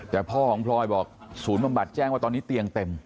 แต่พ่อของพลอยบอกศูนย์บำบัดแจ้งว่าตอนนี้เตียงเต็ม